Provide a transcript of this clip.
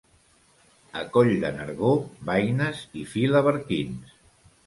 A Coll de Nargó, baines i filaberquins.